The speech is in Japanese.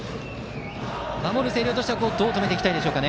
守る星稜としてはどう止めていきたいですか。